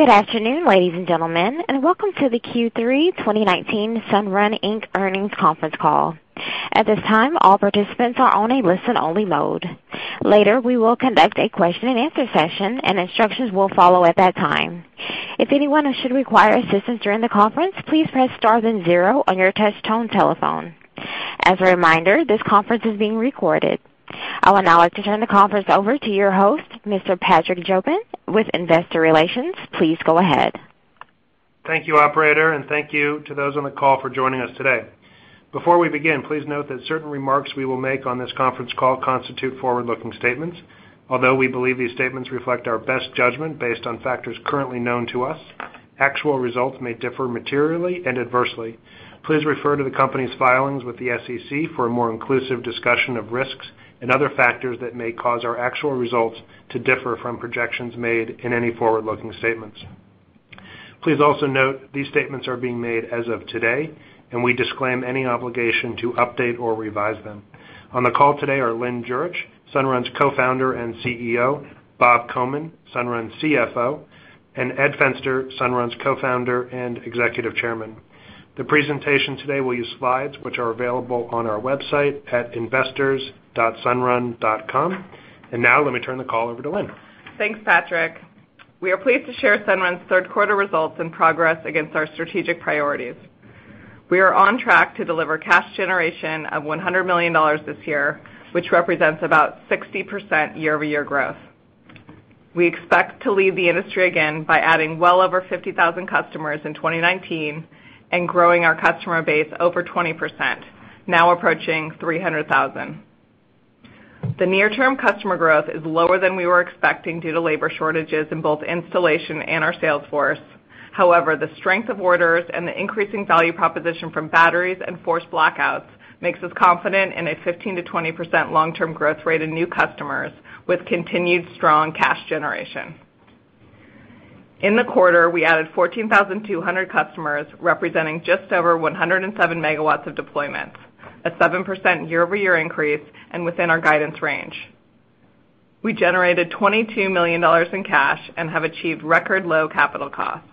Good afternoon, ladies and gentlemen, and welcome to the Q3 2019 Sunrun Inc. Earnings Conference Call. At this time, all participants are on a listen-only mode. Later, we will conduct a question and answer session and instructions will follow at that time. If anyone should require assistance during the conference, please press star then zero on your touch tone telephone. As a reminder, this conference is being recorded. I would now like to turn the conference over to your host, Mr. Patrick Jobin with Investor Relations. Please go ahead. Thank you, operator, and thank you to those on the call for joining us today. Before we begin, please note that certain remarks we will make on this conference call constitute forward-looking statements. Although we believe these statements reflect our best judgment based on factors currently known to us, actual results may differ materially and adversely. Please refer to the company's filings with the SEC for a more inclusive discussion of risks and other factors that may cause our actual results to differ from projections made in any forward-looking statements. Please also note these statements are being made as of today, and we disclaim any obligation to update or revise them. On the call today are Lynn Jurich, Sunrun's Co-founder and CEO, Bob Komin, Sunrun's CFO, and Ed Fenster, Sunrun's Co-founder and Executive Chairman. The presentation today will use slides which are available on our website at investors.sunrun.com. Now let me turn the call over to Lynn. Thanks, Patrick. We are pleased to share Sunrun's third quarter results and progress against our strategic priorities. We are on track to deliver cash generation of $100 million this year, which represents about 60% year-over-year growth. We expect to lead the industry again by adding well over 50,000 customers in 2019 and growing our customer base over 20%, now approaching 300,000. The near-term customer growth is lower than we were expecting due to labor shortages in both installation and our sales force. The strength of orders and the increasing value proposition from batteries and forced blackouts makes us confident in a 15%-20% long-term growth rate in new customers with continued strong cash generation. In the quarter, we added 14,200 customers, representing just over 107 MW of deployments, a 7% year-over-year increase, and within our guidance range. We generated $22 million in cash and have achieved record low capital costs.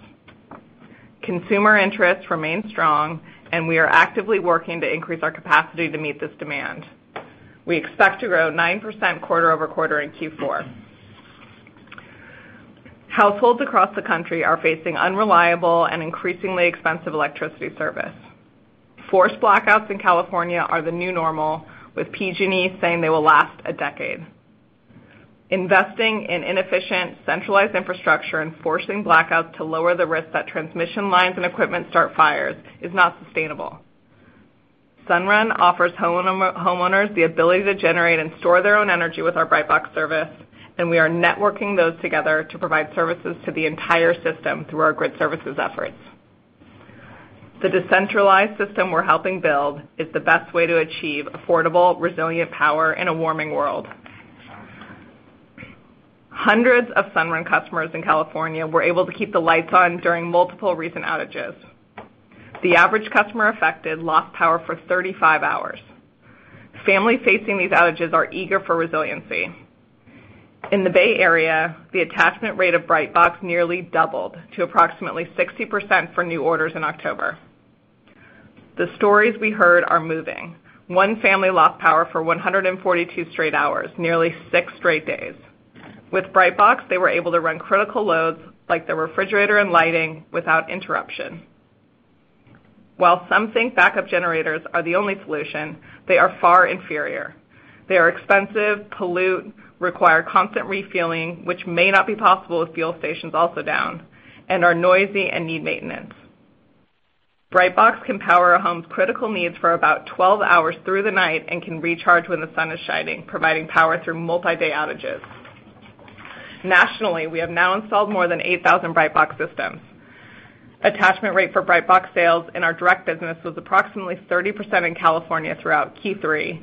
Consumer interest remains strong, and we are actively working to increase our capacity to meet this demand. We expect to grow 9% quarter-over-quarter in Q4. Households across the country are facing unreliable and increasingly expensive electricity service. Forced blackouts in California are the new normal, with PG&E saying they will last a decade. Investing in inefficient, centralized infrastructure and forcing blackouts to lower the risk that transmission lines and equipment start fires is not sustainable. Sunrun offers homeowners the ability to generate and store their own energy with our Brightbox service, and we are networking those together to provide services to the entire system through our grid services efforts. The decentralized system we're helping build is the best way to achieve affordable, resilient power in a warming world. Hundreds of Sunrun customers in California were able to keep the lights on during multiple recent outages. The average customer affected lost power for 35 hours. Families facing these outages are eager for resiliency. In the Bay Area, the attachment rate of Brightbox nearly doubled to approximately 60% for new orders in October. The stories we heard are moving. One family lost power for 142 straight hours, nearly six straight days. With Brightbox, they were able to run critical loads like the refrigerator and lighting without interruption. While some think backup generators are the only solution, they are far inferior. They are expensive, pollute, require constant refueling, which may not be possible with fuel stations also down, and are noisy and need maintenance. Brightbox can power a home's critical needs for about 12 hours through the night and can recharge when the sun is shining, providing power through multi-day outages. Nationally, we have now installed more than 8,000 Brightbox systems. Attachment rate for Brightbox sales in our direct business was approximately 30% in California throughout Q3.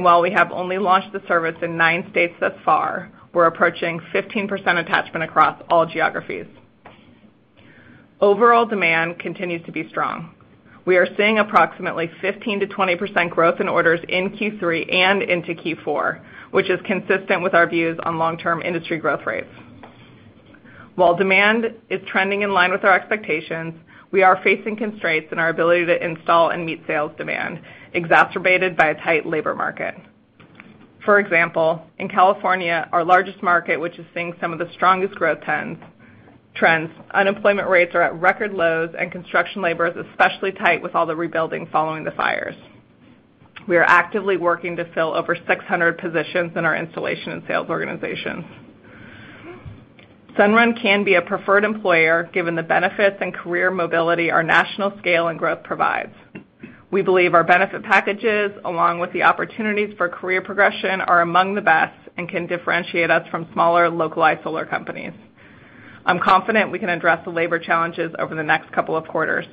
While we have only launched the service in nine states thus far, we're approaching 15% attachment across all geographies. Overall demand continues to be strong. We are seeing approximately 15%-20% growth in orders in Q3 and into Q4, which is consistent with our views on long-term industry growth rates. While demand is trending in line with our expectations, we are facing constraints in our ability to install and meet sales demand exacerbated by a tight labor market. For example, in California, our largest market, which is seeing some of the strongest growth trends, unemployment rates are at record lows and construction labor is especially tight with all the rebuilding following the fires. We are actively working to fill over 600 positions in our installation and sales organizations. Sunrun can be a preferred employer given the benefits and career mobility our national scale and growth provides. We believe our benefit packages, along with the opportunities for career progression, are among the best and can differentiate us from smaller localized solar companies. I'm confident we can address the labor challenges over the next couple of quarters.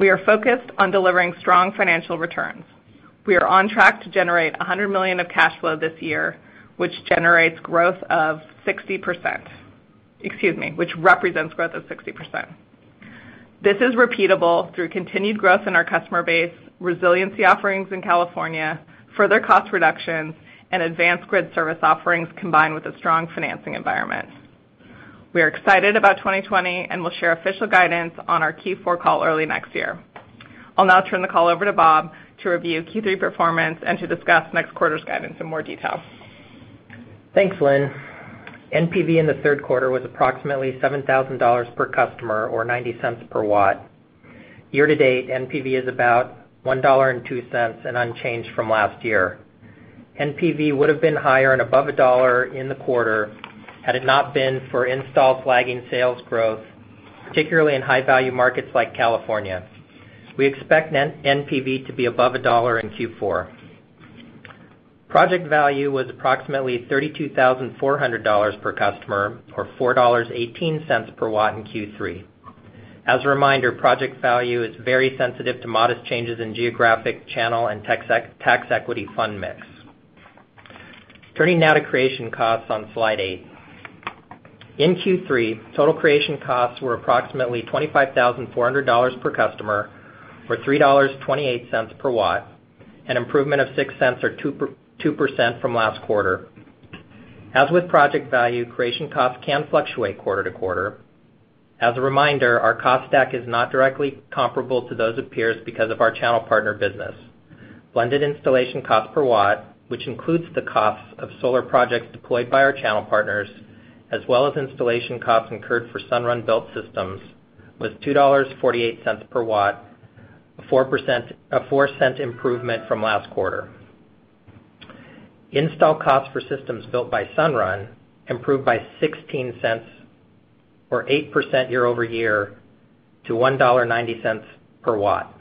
We are focused on delivering strong financial returns. We are on track to generate $100 million of cash flow this year, which generates growth of 60%. Excuse me, which represents growth of 60%. This is repeatable through continued growth in our customer base, resiliency offerings in California, further cost reductions, and advanced grid service offerings combined with a strong financing environment. We are excited about 2020, we'll share official guidance on our Q4 call early next year. I'll now turn the call over to Bob to review Q3 performance and to discuss next quarter's guidance in more detail. Thanks, Lynn. NPV in the third quarter was approximately $7,000 per customer or $0.90 per watt. Year-to-date, NPV is about $1.02 and unchanged from last year. NPV would've been higher and above $1 in the quarter had it not been for installs lagging sales growth, particularly in high-value markets like California. We expect NPV to be above $1 in Q4. Project value was approximately $32,400 per customer or $4.18 per watt in Q3. As a reminder, project value is very sensitive to modest changes in geographic channel and tax equity fund mix. Turning now to creation costs on slide eight. In Q3, total creation costs were approximately $25,400 per customer or $3.28 per watt, an improvement of $0.06 or 2% from last quarter. As with project value, creation costs can fluctuate quarter to quarter. As a reminder, our cost stack is not directly comparable to those of peers because of our channel partner business. Blended installation cost per watt, which includes the costs of solar projects deployed by our channel partners, as well as installation costs incurred for Sunrun-built systems, was $2.48 per watt, a $0.04 improvement from last quarter. Install costs for systems built by Sunrun improved by $0.16 or 8% year-over-year to $1.90 per watt.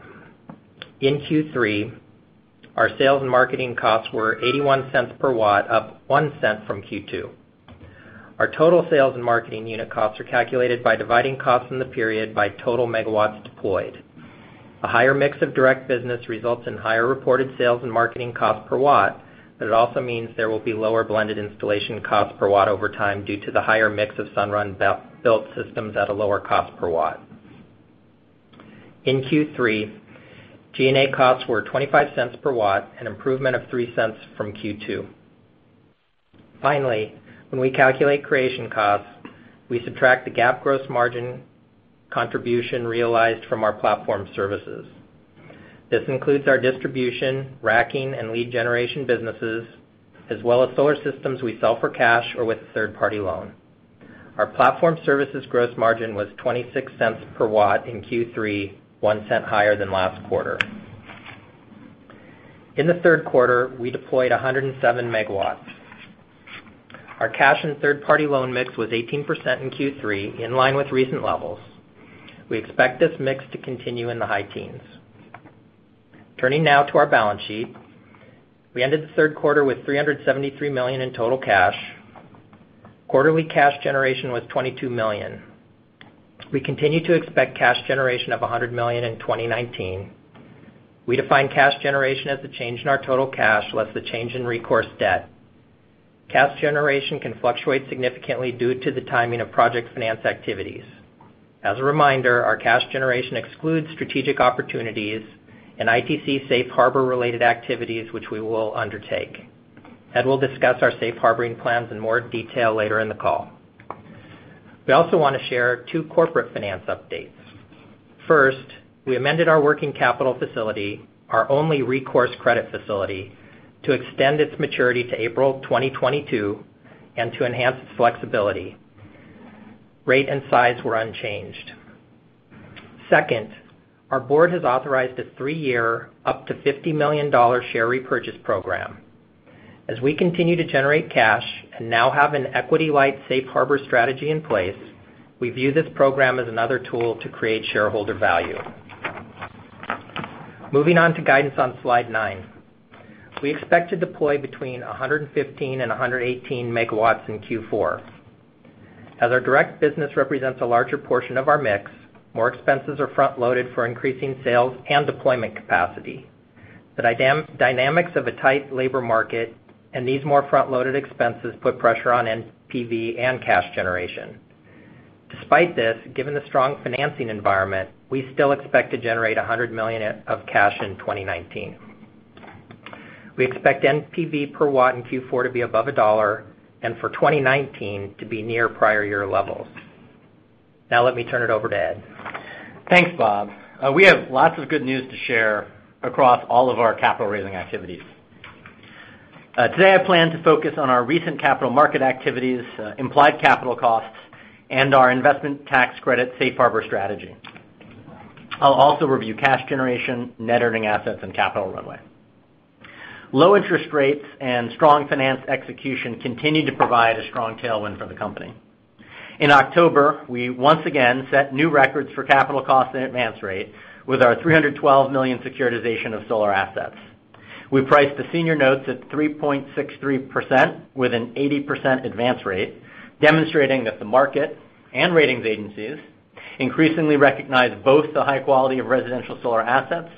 In Q3, our sales and marketing costs were $0.81 per watt, up $0.01 from Q2. Our total sales and marketing unit costs are calculated by dividing costs in the period by total megawatts deployed. A higher mix of direct business results in higher reported sales and marketing cost per watt, but it also means there will be lower blended installation costs per watt over time due to the higher mix of Sunrun-built systems at a lower cost per watt. In Q3, G&A costs were $0.25 per watt, an improvement of $0.03 from Q2. Finally, when we calculate creation costs, we subtract the GAAP gross margin contribution realized from our platform services. This includes our distribution, racking, and lead generation businesses, as well as solar systems we sell for cash or with a third-party loan. Our platform services gross margin was $0.26 per watt in Q3, $0.01 higher than last quarter. In the third quarter, we deployed 107 megawatts. Our cash and third-party loan mix was 18% in Q3, in line with recent levels. We expect this mix to continue in the high teens. Turning now to our balance sheet. We ended the third quarter with $373 million in total cash. Quarterly cash generation was $22 million. We continue to expect cash generation of $100 million in 2019. We define cash generation as the change in our total cash less the change in recourse debt. Cash generation can fluctuate significantly due to the timing of project finance activities. As a reminder, our cash generation excludes strategic opportunities and ITC safe harbor-related activities, which we will undertake. Ed will discuss our safe harboring plans in more detail later in the call. We also want to share two corporate finance updates. First, we amended our working capital facility, our only recourse credit facility, to extend its maturity to April 2022 and to enhance its flexibility. Rate and size were unchanged. Second, our board has authorized a three-year, up to $50 million share repurchase program. As we continue to generate cash and now have an equity-light safe harbor strategy in place, we view this program as another tool to create shareholder value. Moving on to guidance on slide nine. We expect to deploy between 115 and 118 megawatts in Q4. As our direct business represents a larger portion of our mix, more expenses are front-loaded for increasing sales and deployment capacity. The dynamics of a tight labor market and these more front-loaded expenses put pressure on NPV and cash generation. Despite this, given the strong financing environment, we still expect to generate $100 million of cash in 2019. We expect NPV per watt in Q4 to be above $1 and for 2019 to be near prior year levels. Now, let me turn it over to Ed. Thanks, Bob. We have lots of good news to share across all of our capital-raising activities. Today, I plan to focus on our recent capital market activities, implied capital costs, and our investment tax credit safe harbor strategy. I'll also review cash generation, Net Earning Assets, and capital runway. Low interest rates and strong finance execution continue to provide a strong tailwind for the company. In October, we once again set new records for capital cost and advance rate with our $312 million securitization of solar assets. We priced the senior notes at 3.63% with an 80% advance rate, demonstrating that the market and ratings agencies increasingly recognize both the high quality of residential solar assets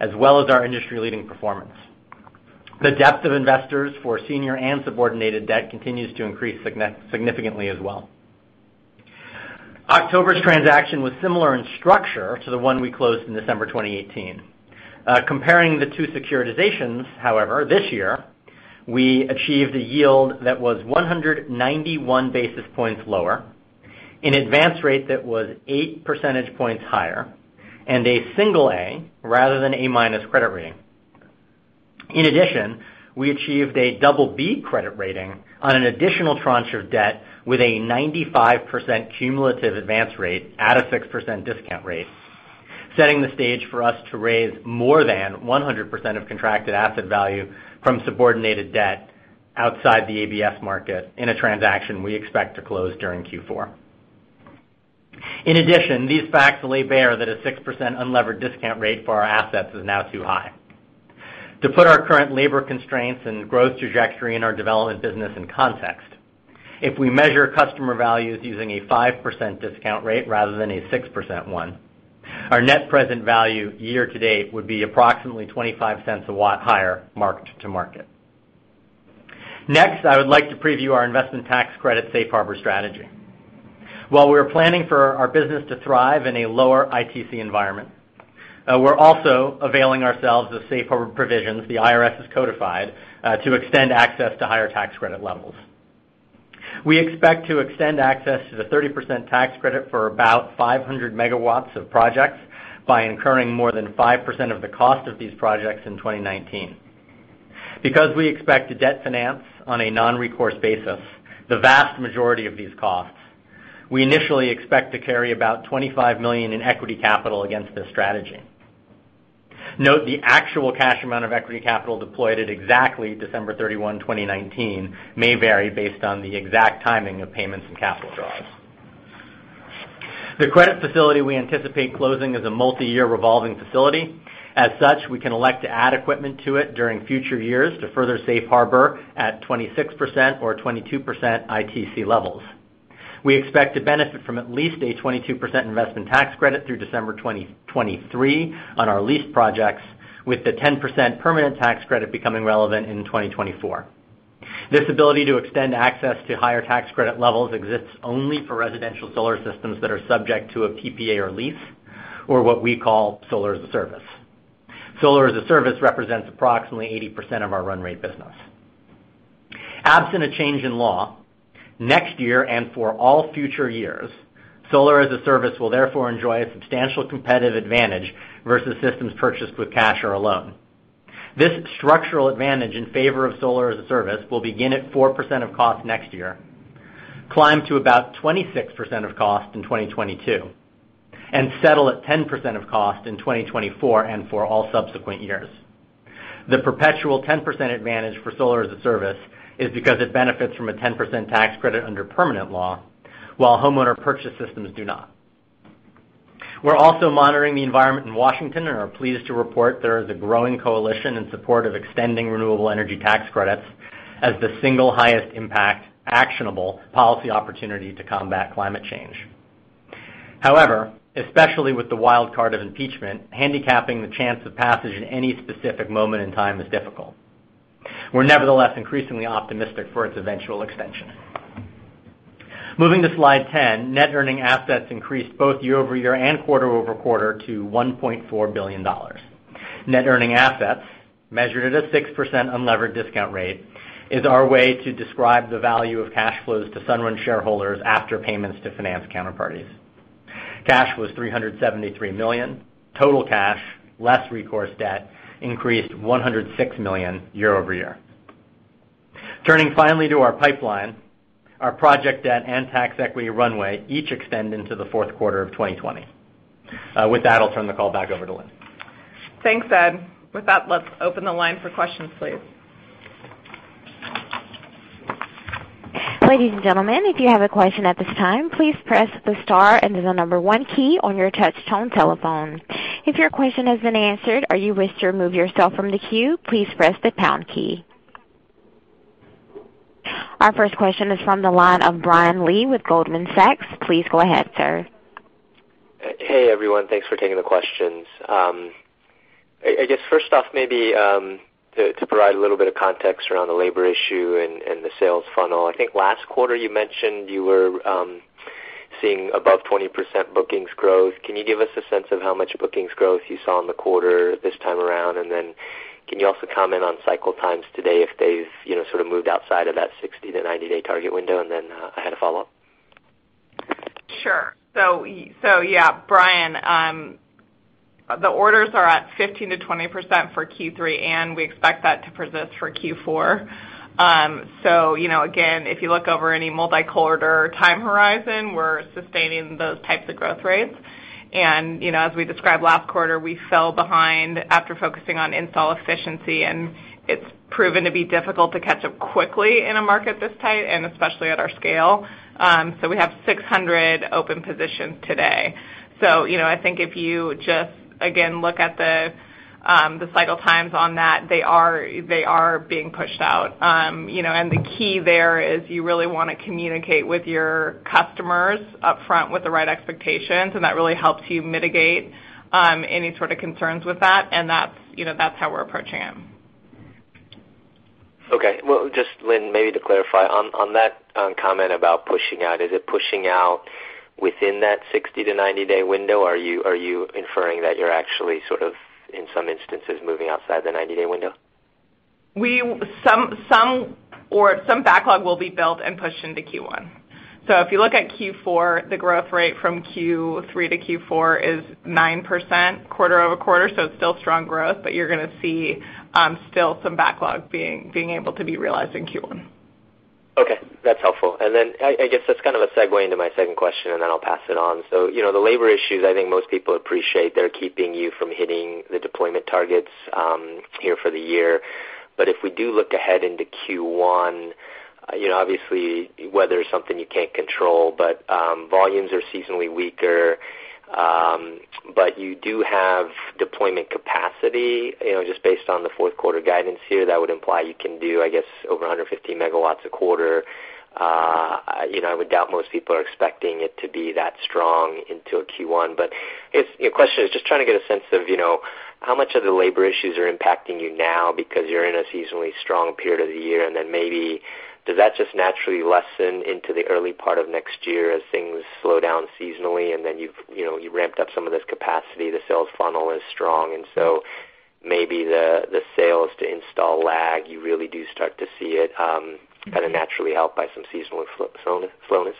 as well as our industry-leading performance. The depth of investors for senior and subordinated debt continues to increase significantly as well. October's transaction was similar in structure to the one we closed in December 2018. Comparing the two securitizations, however, this year, we achieved a yield that was 191 basis points lower, an advance rate that was 8 percentage points higher, and a single A rather than A-minus credit rating. In addition, we achieved a double B credit rating on an additional tranche of debt with a 95% cumulative advance rate at a 6% discount rate, setting the stage for us to raise more than 100% of contracted asset value from subordinated debt outside the ABS market in a transaction we expect to close during Q4. In addition, these facts lay bare that a 6% unlevered discount rate for our assets is now too high. To put our current labor constraints and growth trajectory in our development business in context, if we measure customer values using a 5% discount rate rather than a 6% one, our Net Present Value year to date would be approximately $0.25 a watt higher marked to market. Next, I would like to preview our investment tax credit safe harbor strategy. While we are planning for our business to thrive in a lower ITC environment, we're also availing ourselves of safe harbor provisions the IRS has codified to extend access to higher tax credit levels. We expect to extend access to the 30% tax credit for about 500 megawatts of projects by incurring more than 5% of the cost of these projects in 2019. Because we expect to debt finance on a non-recourse basis the vast majority of these costs, we initially expect to carry about $25 million in equity capital against this strategy. Note the actual cash amount of equity capital deployed at exactly December 31, 2019, may vary based on the exact timing of payments and capital draws. The credit facility we anticipate closing is a multi-year revolving facility. We can elect to add equipment to it during future years to further safe harbor at 26% or 22% ITC levels. We expect to benefit from at least a 22% investment tax credit through December 2023 on our leased projects, with the 10% permanent tax credit becoming relevant in 2024. This ability to extend access to higher tax credit levels exists only for residential solar systems that are subject to a PPA or lease, or what we call Solar-as-a-Service. Solar-as-a-Service represents approximately 80% of our run rate business. Absent a change in law, next year and for all future years, Solar-as-a-Service will therefore enjoy a substantial competitive advantage versus systems purchased with cash or a loan. This structural advantage in favor of Solar-as-a-Service will begin at 4% of cost next year, climb to about 26% of cost in 2022, and settle at 10% of cost in 2024 and for all subsequent years. The perpetual 10% advantage for Solar-as-a-Service is because it benefits from a 10% tax credit under permanent law, while homeowner purchase systems do not. We're also monitoring the environment in Washington and are pleased to report there is a growing coalition in support of extending renewable energy tax credits as the single highest impact actionable policy opportunity to combat climate change. However, especially with the wild card of impeachment, handicapping the chance of passage at any specific moment in time is difficult. We're nevertheless increasingly optimistic for its eventual extension. Moving to slide 10, Net Earning Assets increased both year-over-year and quarter-over-quarter to $1.4 billion. Net Earning Assets, measured at a 6% unlevered discount rate, is our way to describe the value of cash flows to Sunrun shareholders after payments to finance counterparties. Cash was $373 million. Total cash, less recourse debt, increased $106 million year-over-year. Turning finally to our pipeline, our project debt and tax equity runway each extend into the fourth quarter of 2020. With that, I'll turn the call back over to Lynn. Thanks, Ed. With that, let's open the line for questions, please. Ladies and gentlemen, if you have a question at this time, please press the star and then the number one key on your touch tone telephone. If your question has been answered or you wish to remove yourself from the queue, please press the pound key. Our first question is from the line of Brian Lee with Goldman Sachs. Please go ahead, sir. Hey, everyone. Thanks for taking the questions. I guess first off, maybe to provide a little bit of context around the labor issue and the sales funnel. I think last quarter you mentioned you were seeing above 20% bookings growth. Can you give us a sense of how much bookings growth you saw in the quarter this time around? Can you also comment on cycle times today, if they've sort of moved outside of that 60- to 90-day target window? I had a follow-up. Sure. Yeah, Brian, the orders are at 15%-20% for Q3, and we expect that to persist for Q4. Again, if you look over any multi-quarter time horizon, we're sustaining those types of growth rates. As we described last quarter, we fell behind after focusing on install efficiency, and it's proven to be difficult to catch up quickly in a market this tight and especially at our scale. We have 600 open positions today. I think if you just, again, look at the cycle times on that, they are being pushed out. The key there is you really want to communicate with your customers up front with the right expectations, and that really helps you mitigate any sort of concerns with that, and that's how we're approaching it. Okay. Well, just Lynn, maybe to clarify on that comment about pushing out, is it pushing out within that 60- to 90-day window? Are you inferring that you're actually sort of, in some instances, moving outside the 90-day window? Some backlog will be built and pushed into Q1. If you look at Q4, the growth rate from Q3 to Q4 is 9% quarter-over-quarter. It is still strong growth, but you are going to see still some backlog being able to be realized in Q1. Okay, that's helpful. Then I guess that's kind of a segue into my second question, and then I'll pass it on. The labor issues, I think most people appreciate they're keeping you from hitting the deployment targets here for the year. If we do look ahead into Q1, obviously, weather is something you can't control, but volumes are seasonally weaker. You do have deployment capacity, just based on the fourth quarter guidance here, that would imply you can do, I guess, over 150 megawatts a quarter. I would doubt most people are expecting it to be that strong into Q1. The question is just trying to get a sense of how much of the labor issues are impacting you now because you're in a seasonally strong period of the year, and then maybe does that just naturally lessen into the early part of next year as things slow down seasonally, and then you've ramped up some of this capacity, the sales funnel is strong, and so maybe the sales to install lag, you really do start to see it kind of naturally helped by some seasonal slowness?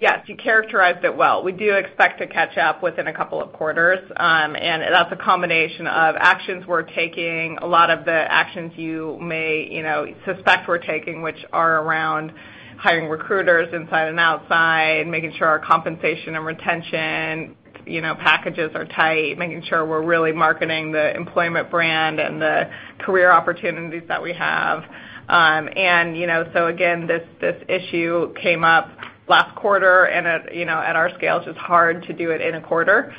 Yes, you characterized it well. We do expect to catch up within a couple of quarters. That's a combination of actions we're taking, a lot of the actions you may suspect we're taking, which are around hiring recruiters inside and outside, making sure our compensation and retention packages are tight, making sure we're really marketing the employment brand and the career opportunities that we have. Again, this issue came up last quarter, and at our scale, it's just hard to do it in a quarter.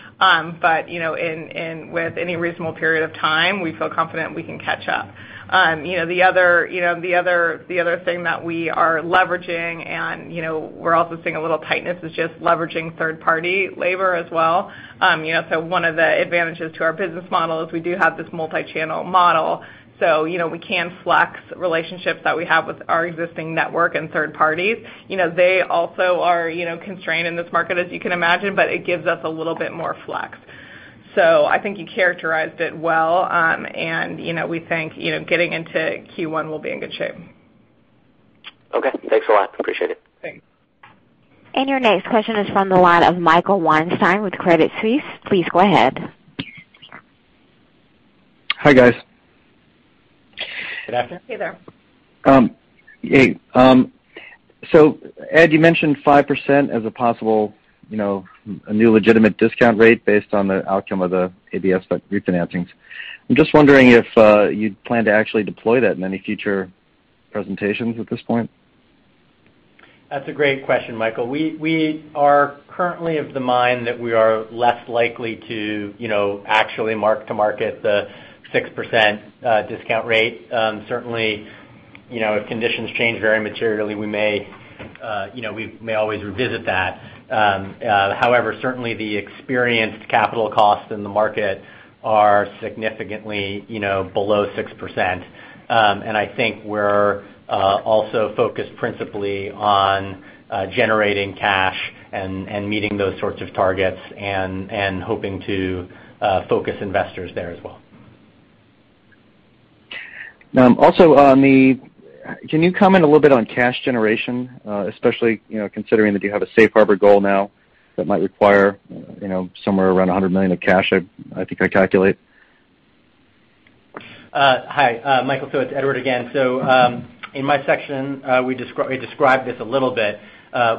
With any reasonable period of time, we feel confident we can catch up. The other thing that we are leveraging, and we're also seeing a little tightness is just leveraging third-party labor as well. One of the advantages to our business model is we do have this multi-channel model. We can flex relationships that we have with our existing network and third parties. They also are constrained in this market, as you can imagine, but it gives us a little bit more flex. I think you characterized it well, and we think getting into Q1 we'll be in good shape. Okay. Thanks a lot. Appreciate it. Thanks. Your next question is from the line of Michael Weinstein with Credit Suisse. Please go ahead. Hi, guys. Good afternoon. Hey there. Hey. Ed, you mentioned 5% as a possible, a new legitimate discount rate based on the outcome of the ABS group financings. I'm just wondering if you plan to actually deploy that in any future presentations at this point. That's a great question, Michael. We are currently of the mind that we are less likely to actually mark-to-market the 6% discount rate. Certainly, if conditions change very materially, we may always revisit that. However, certainly the experienced capital costs in the market are significantly below 6%. I think we're also focused principally on generating cash and meeting those sorts of targets and hoping to focus investors there as well. Also on the, can you comment a little bit on cash generation, especially, considering that you have a safe harbor goal now that might require somewhere around $100 million of cash, I think I calculate? Hi, Michael. It's Ed again. In my section, we described this a little bit.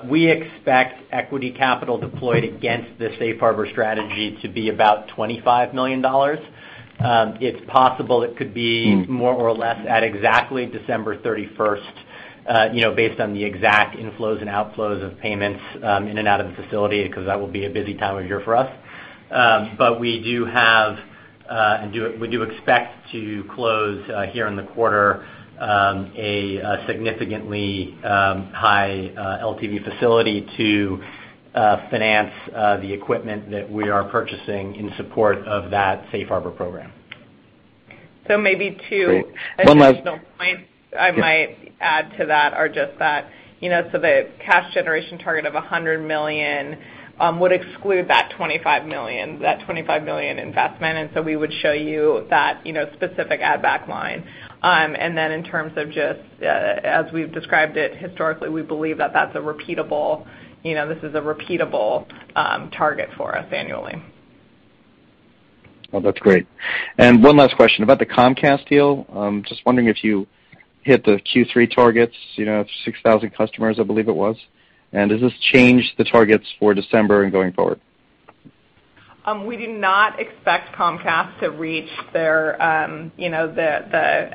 We expect equity capital deployed against the safe harbor strategy to be about $25 million. It's possible it could be more or less at exactly December 31st, based on the exact inflows and outflows of payments in and out of the facility, because that will be a busy time of year for us. We do expect to close here in the quarter, a significantly high LTV facility to finance the equipment that we are purchasing in support of that safe harbor program. So maybe two- Great. One last- additional points I might add to that are just that, so the cash generation target of $100 million would exclude that $25 million investment, and so we would show you that specific add-back line. In terms of just as we've described it historically, we believe that that's a repeatable target for us annually. Well, that's great. One last question about the Comcast deal. Just wondering if you hit the Q3 targets, 6,000 customers, I believe it was. Does this change the targets for December and going forward? We do not expect Comcast to reach the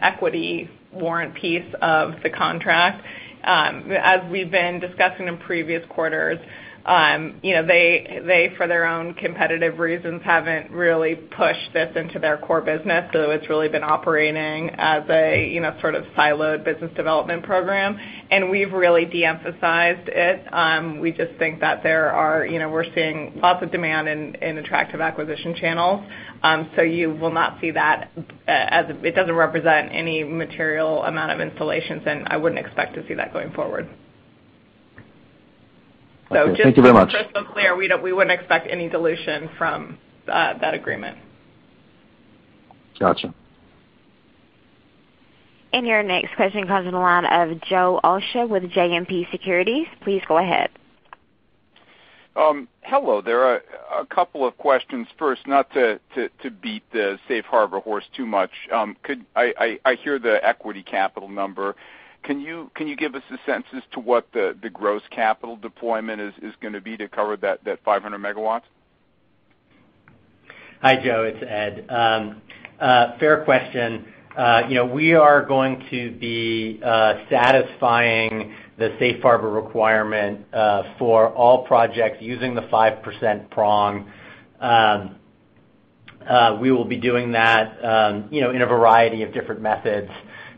equity warrant piece of the contract. As we've been discussing in previous quarters, they, for their own competitive reasons, haven't really pushed this into their core business, so it's really been operating as a sort of siloed business development program, and we've really de-emphasized it. We just think that we're seeing lots of demand in attractive acquisition channels. You will not see that as it doesn't represent any material amount of installations, and I wouldn't expect to see that going forward. Thank you very much. crystal clear, we wouldn't expect any dilution from that agreement. Got you. Your next question comes on the line of Joe Osha with JMP Securities. Please go ahead. Hello there. A couple of questions. First, not to beat the safe harbor horse too much. I hear the equity capital number. Can you give us a sense as to what the gross capital deployment is going to be to cover that 500 MW? Hi, Joe, it's Ed. Fair question. We are going to be satisfying the safe harbor requirement for all projects using the 5% prong. We will be doing that in a variety of different methods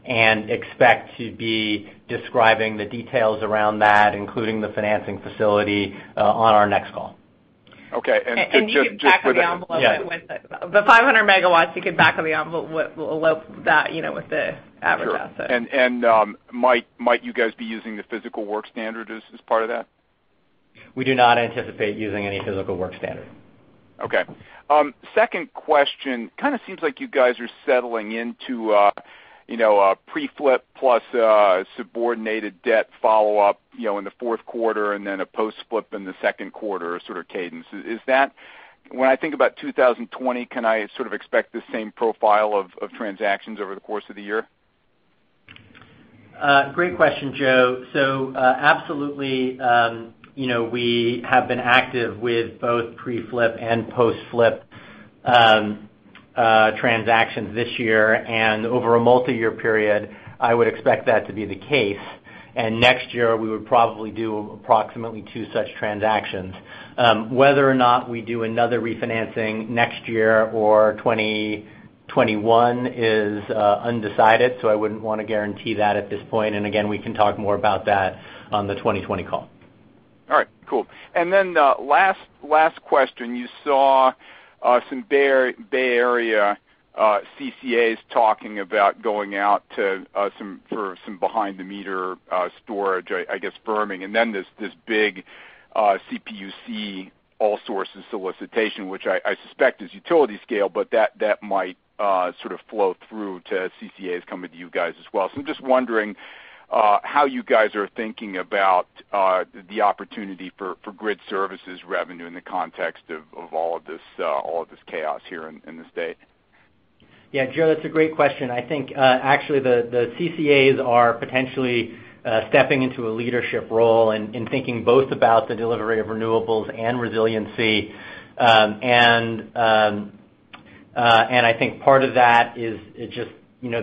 and expect to be describing the details around that, including the financing facility on our next call. Okay. You can back of the envelope it with the 500 megawatts, you can back of the envelope that with the average asset. Sure. Might you guys be using the physical work standard as part of that? We do not anticipate using any physical work standard. Okay. Second question. Kind of seems like you guys are settling into a pre-flip plus a subordinated debt follow-up in the fourth quarter, and then a post-flip in the second quarter sort of cadence. When I think about 2020, can I sort of expect the same profile of transactions over the course of the year? Great question, Joe. Absolutely, we have been active with both pre-flip and post-flip transactions this year. Over a multi-year period, I would expect that to be the case. Next year, we would probably do approximately two such transactions. Whether or not we do another refinancing next year or 2021 is undecided, so I wouldn't want to guarantee that at this point. Again, we can talk more about that on the 2020 call. All right, cool. Last question, you saw some Bay Area CCAs talking about going out for some behind-the-meter storage, I guess firming. This big CPUC all-sources solicitation, which I suspect is utility scale, but that might sort of flow through to CCAs coming to you guys as well. I'm just wondering how you guys are thinking about the opportunity for grid services revenue in the context of all of this chaos here in the state. Yeah, Joe, that's a great question. I think actually the CCAs are potentially stepping into a leadership role in thinking both about the delivery of renewables and resiliency. I think part of that is just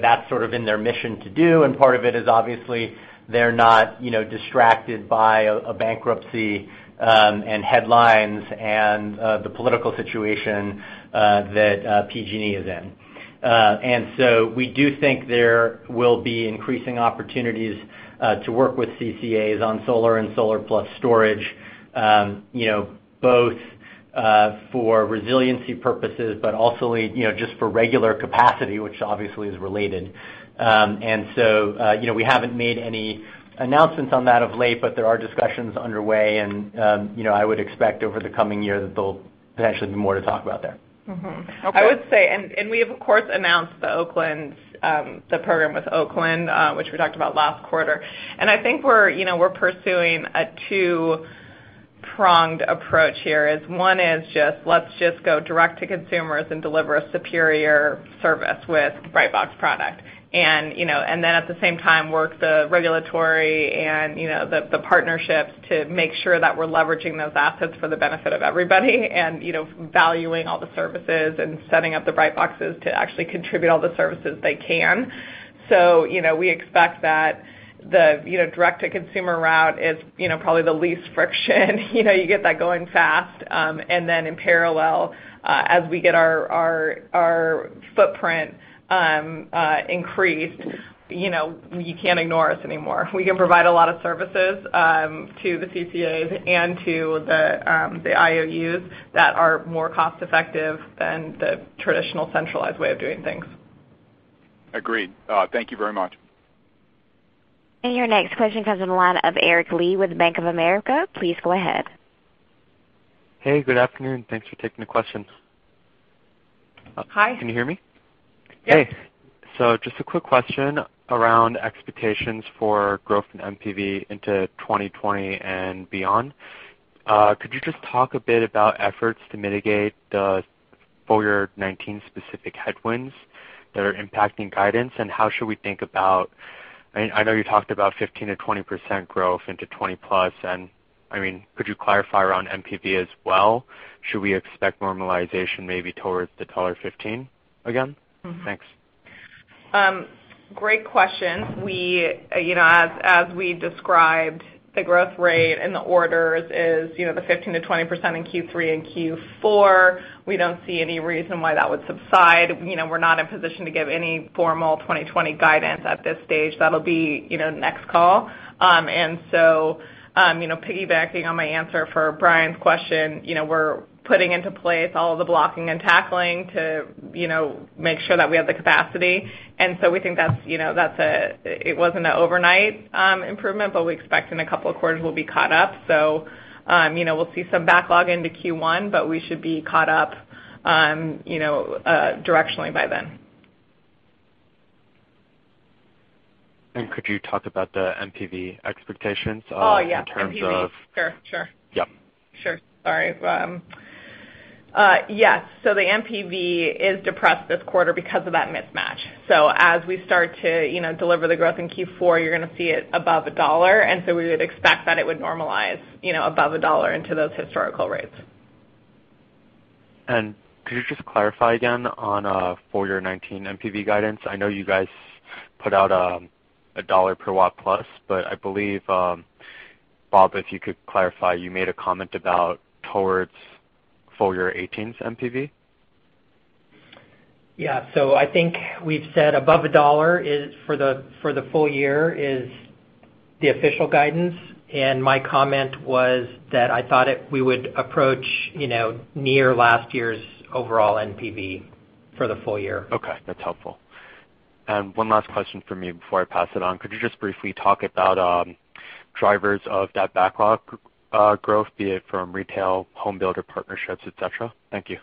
that's sort of in their mission to do, and part of it is obviously they're not distracted by a bankruptcy and headlines and the political situation that PG&E is in. We do think there will be increasing opportunities to work with CCAs on solar and solar-plus storage both for resiliency purposes, but also just for regular capacity, which obviously is related. We haven't made any announcements on that of late, but there are discussions underway, and I would expect over the coming year that there'll potentially be more to talk about there. Mm-hmm. Okay. I would say, we have, of course, announced the program with Oakland, which we talked about last quarter. I think we're pursuing a two-pronged approach here. One is just let's just go direct to consumers and deliver a superior service with Brightbox product. At the same time, work the regulatory and the partnerships to make sure that we're leveraging those assets for the benefit of everybody and valuing all the services and setting up the Brightboxes to actually contribute all the services they can. We expect that the direct-to-consumer route is probably the least friction. You get that going fast. In parallel, as we get our footprint increased, you can't ignore us anymore. We can provide a lot of services to the CCAs and to the IOUs that are more cost-effective than the traditional centralized way of doing things. Agreed. Thank you very much. Your next question comes on the line of Eric Lee with Bank of America. Please go ahead. Hey, good afternoon. Thanks for taking the questions. Hi. Can you hear me? Yes. Hey. Just a quick question around expectations for growth in NPV into 2020 and beyond. Could you just talk a bit about efforts to mitigate the full year 2019 specific headwinds that are impacting guidance? How should we think about I know you talked about 15%-20% growth into 20-plus, and could you clarify around NPV as well? Should we expect normalization maybe towards the $1.15 again? Thanks. Great questions. As we described, the growth rate in the orders is the 15%-20% in Q3 and Q4. We don't see any reason why that would subside. We're not in a position to give any formal 2020 guidance at this stage. That'll be next call. Piggybacking on my answer for Brian's question, we're putting into place all the blocking and tackling to make sure that we have the capacity. We think it wasn't an overnight improvement, but we expect in a couple of quarters we'll be caught up. We'll see some backlog into Q1, but we should be caught updirectionally by then. Could you talk about the NPV expectations? Oh, yeah in terms of- NPV. Sure. Yep. Sure. Sorry. Yes. The NPV is depressed this quarter because of that mismatch. As we start to deliver the growth in Q4, you're going to see it above $1, and so we would expect that it would normalize above $1 into those historical rates. Could you just clarify again on full year 2019 NPV guidance? I know you guys put out a $ per watt plus, but I believe, Bob, if you could clarify, you made a comment about towards full year 2018's NPV. Yeah. I think we've said above $1 for the full year is the official guidance, and my comment was that I thought we would approach near last year's overall NPV for the full year. Okay, that's helpful. One last question from me before I pass it on. Could you just briefly talk about drivers of that backlog growth, be it from retail, home builder partnerships, et cetera? Thank you.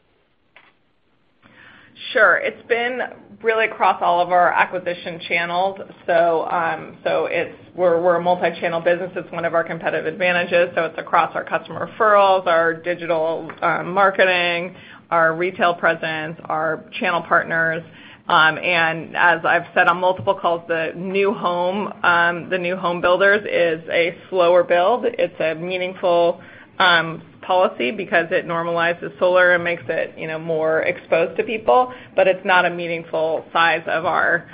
Sure. It's been really across all of our acquisition channels. We're a multi-channel business. It's one of our competitive advantages. It's across our customer referrals, our digital marketing, our retail presence, our channel partners. As I've said on multiple calls, the new home builders is a slower build. It's a meaningful policy because it normalizes solar and makes it more exposed to people, but it's not a meaningful size of our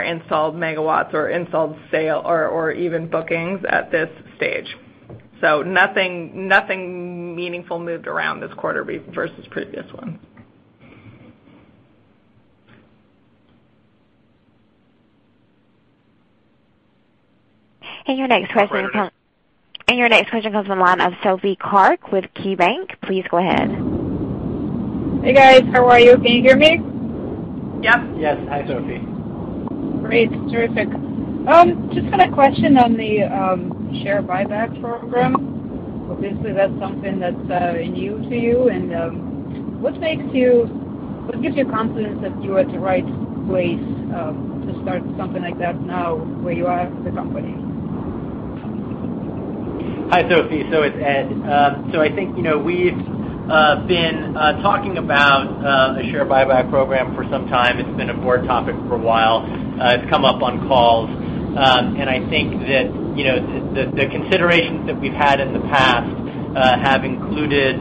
installed megawatts or installed sale or even bookings at this stage. Nothing meaningful moved around this quarter versus previous ones. Your next question comes from the line of Sophie Karp with KeyBanc Capital Markets. Please go ahead. Hey, guys. How are you? Can you hear me? Yes. Yes. Hi, Sophie. Great. Terrific. Just had a question on the share buyback program. Obviously, that's something that's new to you and what gives you confidence that you are at the right place to start something like that now where you are as a company? Hi, Sophie. It's Ed. I think we've been talking about a share buyback program for some time. It's been a board topic for a while. It's come up on calls. I think that the considerations that we've had in the past have included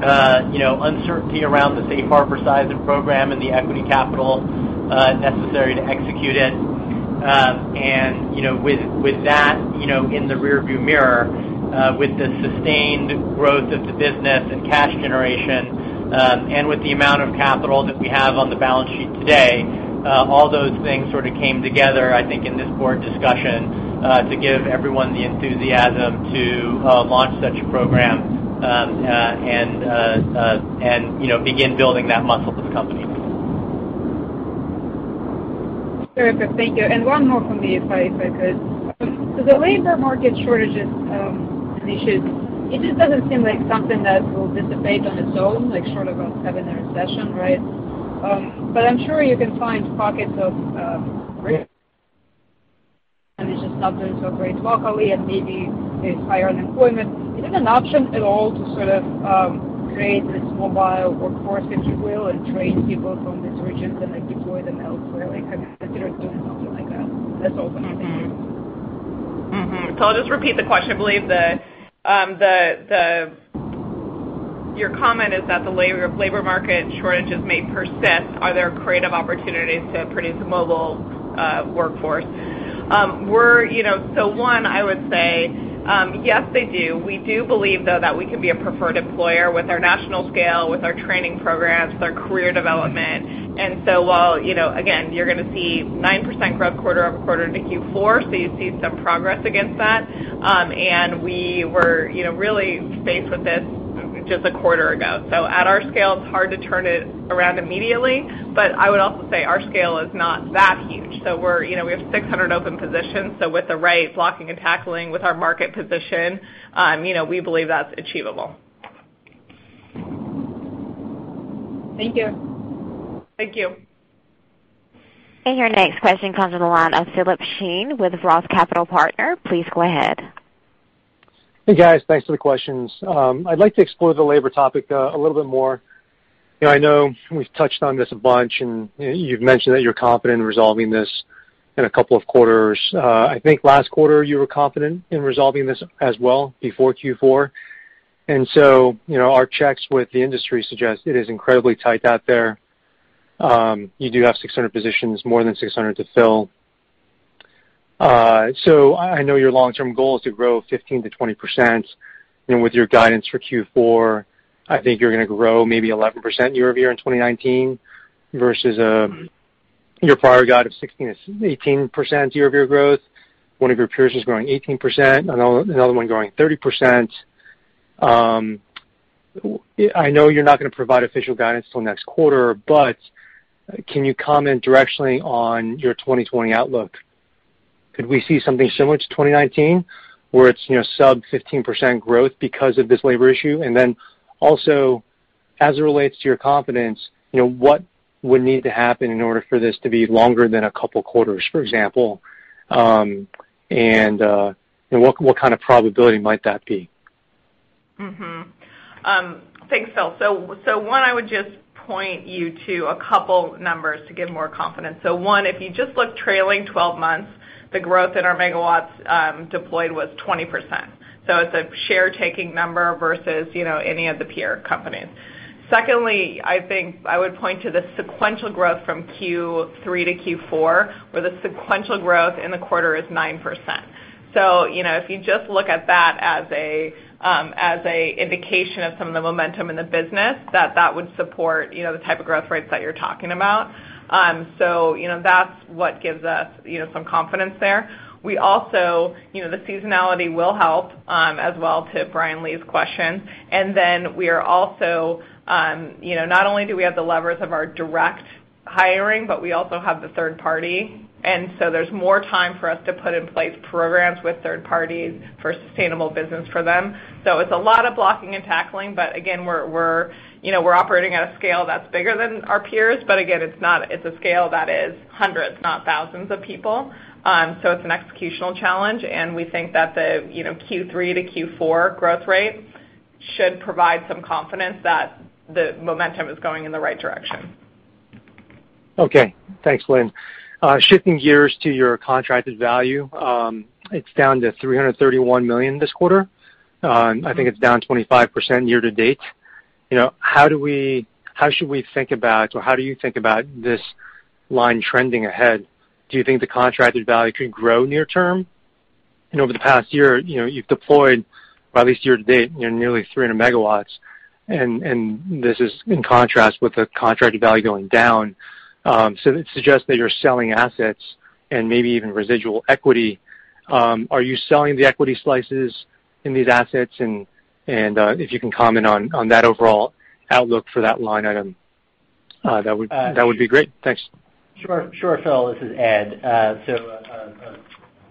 uncertainty around the safe harbor size and program and the equity capital necessary to execute it. With that in the rear view mirror, with the sustained growth of the business and cash generation, and with the amount of capital that we have on the balance sheet today, all those things sort of came together, I think, in this board discussion, to give everyone the enthusiasm to launch such a program, and begin building that muscle of the company. Terrific. Thank you. One more from me if I could. The labor market shortages, and issues, it just doesn't seem like something that will dissipate on its own, like short of us having a recession, right? I'm sure you can find pockets of and it's just not doing so great locally and maybe there's higher unemployment. Is it an option at all to sort of create this mobile workforce, if you will, and train people from these regions and deploy them elsewhere? Have you considered doing something like that? That's all from me, thank you. I'll just repeat the question. I believe your comment is that the labor market shortages may persist. Are there creative opportunities to produce a mobile workforce? One, I would say, yes, they do. We do believe, though, that we can be a preferred employer with our national scale, with our training programs, with our career development. While, again, you're going to see 9% growth quarter-over-quarter into Q4, so you see some progress against that. We were really faced with this just a quarter ago. At our scale, it's hard to turn it around immediately, but I would also say our scale is not that huge. We have 600 open positions, so with the right blocking and tackling with our market position, we believe that's achievable. Thank you. Thank you. Your next question comes on the line of Philip Shen with ROTH Capital Partners. Please go ahead. Hey, guys. Thanks for the questions. I'd like to explore the labor topic a little bit more. I know we've touched on this a bunch, and you've mentioned that you're confident in resolving this in a couple of quarters. I think last quarter you were confident in resolving this as well before Q4. Our checks with the industry suggest it is incredibly tight out there. You do have 600 positions, more than 600 to fill. I know your long-term goal is to grow 15%-20%, and with your guidance for Q4, I think you're going to grow maybe 11% year-over-year in 2019, versus your prior guide of 16%-18% year-over-year growth. One of your peers is growing 18%, another one growing 30%. I know you're not going to provide official guidance till next quarter, can you comment directionally on your 2020 outlook? Could we see something similar to 2019 where it's sub 15% growth because of this labor issue? Also, as it relates to your confidence, what would need to happen in order for this to be longer than a couple of quarters, for example? What kind of probability might that be? Thanks, Phil. One, I would just point you to a couple numbers to give more confidence. One, if you just look trailing 12 months, the growth in our megawatts deployed was 20%. It's a share-taking number versus any of the peer companies. Secondly, I think I would point to the sequential growth from Q3 to Q4, where the sequential growth in the quarter is 9%. If you just look at that as a indication of some of the momentum in the business, that would support the type of growth rates that you're talking about. That's what gives us some confidence there. The seasonality will help, as well, to Brian Lee's question. We are also, not only do we have the levers of our direct hiring, but we also have the third party. There's more time for us to put in place programs with third parties for sustainable business for them. It's a lot of blocking and tackling, but again, we're operating at a scale that's bigger than our peers. Again, it's a scale that is hundreds, not thousands of people. It's an executional challenge, and we think that the Q3 to Q4 growth rate should provide some confidence that the momentum is going in the right direction. Okay. Thanks, Lynn. Shifting gears to your contracted value. It's down to $331 million this quarter. I think it's down 25% year-to-date. How should we think about, or how do you think about this line trending ahead? Do you think the contracted value could grow near term? Over the past year, you've deployed, or at least year-to-date, nearly 300 megawatts, and this is in contrast with the contracted value going down. It suggests that you're selling assets and maybe even residual equity. Are you selling the equity slices in these assets? If you can comment on that overall outlook for that line item that would be great. Thanks. Sure, Phil. This is Ed.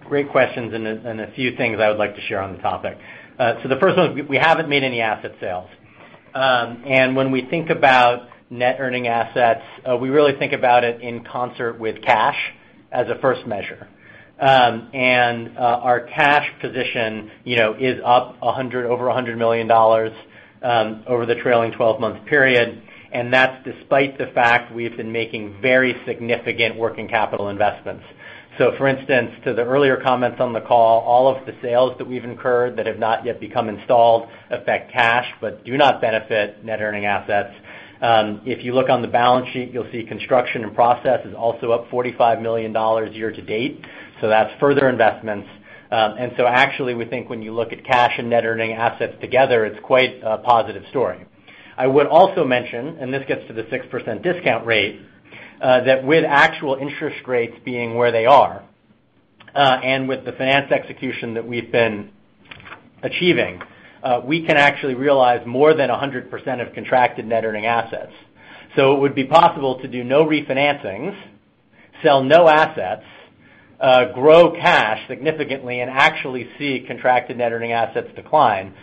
Great questions and a few things I would like to share on the topic. The first one is we haven't made any asset sales. When we think about Net Earning Assets, we really think about it in concert with cash as a first measure. Our cash position is up over $100 million over the trailing 12-month period, and that's despite the fact we've been making very significant working capital investments. For instance, to the earlier comments on the call, all of the sales that we've incurred that have not yet become installed affect cash but do not benefit Net Earning Assets. If you look on the balance sheet, you'll see construction in process is also up $45 million year to date. That's further investments. Actually, we think when you look at cash and Net Earning Assets together, it's quite a positive story. I would also mention, and this gets to the 6% discount rate, that with actual interest rates being where they are, and with the finance execution that we've been achieving, we can actually realize more than 100% of contracted Net Earning Assets. It would be possible to do no refinancings, sell no assets, grow cash significantly, and actually see contracted Net Earning Assets decline,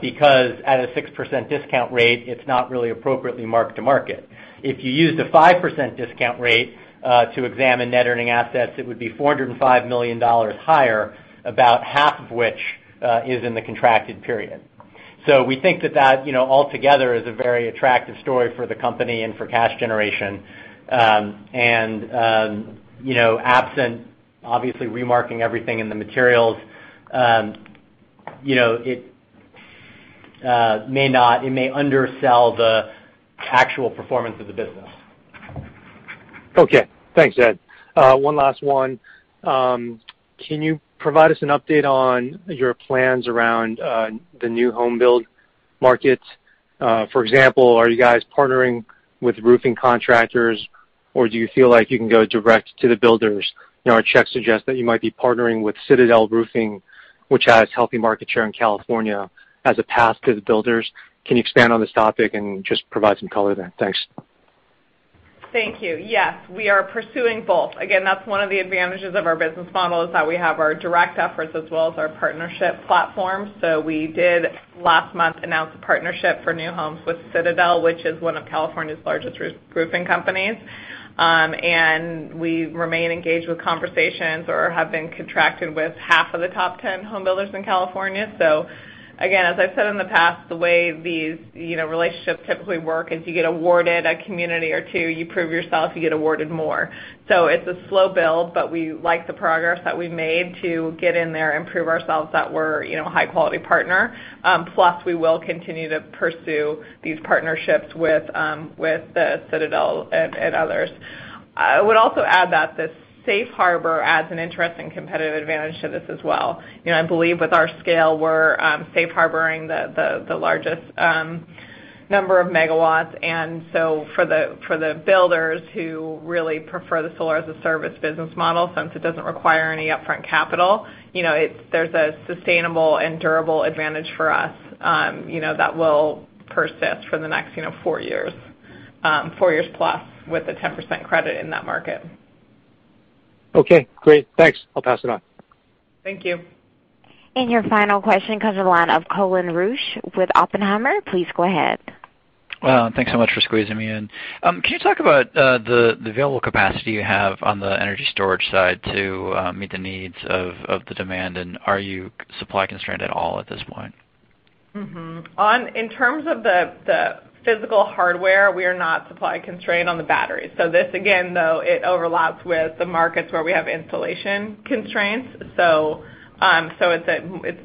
because at a 6% discount rate, it's not really appropriately marked to market. If you used a 5% discount rate to examine Net Earning Assets, it would be $405 million higher, about half of which is in the contracted period. We think that that altogether is a very attractive story for the company and for cash generation. Absent, obviously, remarketing everything in the materials, it may undersell the actual performance of the business. Okay. Thanks, Ed. One last one. Can you provide us an update on your plans around the new home build markets? For example, are you guys partnering with roofing contractors, or do you feel like you can go direct to the builders? Our checks suggest that you might be partnering with Citadel Roofing, which has healthy market share in California as a path to the builders. Can you expand on this topic and just provide some color there? Thanks. Thank you. Yes. We are pursuing both. That's one of the advantages of our business model is that we have our direct efforts as well as our partnership platform. We did, last month, announce a partnership for new homes with Citadel, which is one of California's largest roofing companies. We remain engaged with conversations or have been contracted with half of the top 10 home builders in California. Again, as I've said in the past, the way these relationships typically work is you get awarded a community or two, you prove yourself, you get awarded more. It's a slow build, but we like the progress that we've made to get in there and prove ourselves that we're a high-quality partner. Plus, we will continue to pursue these partnerships with Citadel and others. I would also add that the safe harbor adds an interesting competitive advantage to this as well. I believe with our scale, we're safe harboring the largest number of megawatts. For the builders who really prefer the Solar-as-a-Service business model, since it doesn't require any upfront capital, there's a sustainable and durable advantage for us that will persist for the next four years plus with a 10% credit in that market. Okay, great. Thanks. I'll pass it on. Thank you. Your final question comes on the line of Colin Rusch with Oppenheimer. Please go ahead. Thanks so much for squeezing me in. Can you talk about the available capacity you have on the energy storage side to meet the needs of the demand, and are you supply constrained at all at this point? Mm-hmm. In terms of the physical hardware, we are not supply constrained on the battery. This, again, though it overlaps with the markets where we have installation constraints. It's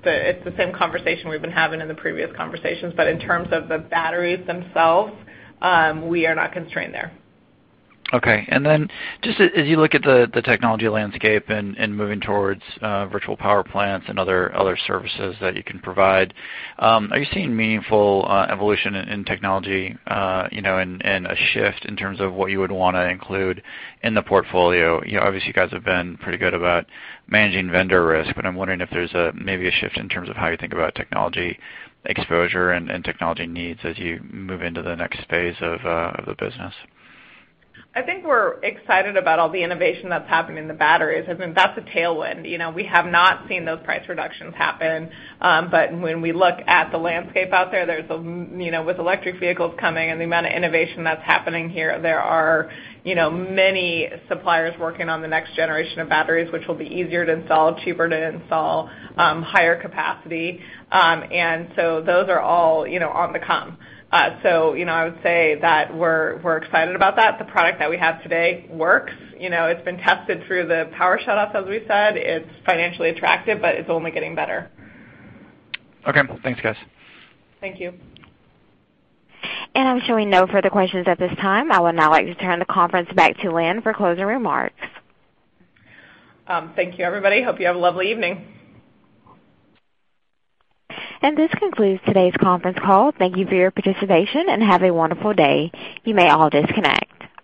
the same conversation we've been having in the previous conversations. In terms of the batteries themselves, we are not constrained there. Okay. Just as you look at the technology landscape and moving towards virtual power plants and other services that you can provide, are you seeing meaningful evolution in technology, and a shift in terms of what you would want to include in the portfolio? Obviously, you guys have been pretty good about managing vendor risk, I'm wondering if there's maybe a shift in terms of how you think about technology exposure and technology needs as you move into the next phase of the business. I think we're excited about all the innovation that's happened in the batteries. I mean, that's a tailwind. We have not seen those price reductions happen. But when we look at the landscape out there, with electric vehicles coming and the amount of innovation that's happening here, there are many suppliers working on the next generation of batteries, which will be easier to install, cheaper to install, higher capacity. Those are all on the come. I would say that we're excited about that. The product that we have today works. It's been tested through the power shutoffs, as we said. It's financially attractive, but it's only getting better. Okay. Thanks, guys. Thank you. I'm showing no further questions at this time. I would now like to turn the conference back to Lynn for closing remarks. Thank you, everybody. Hope you have a lovely evening. This concludes today's conference call. Thank you for your participation, and have a wonderful day. You may all disconnect.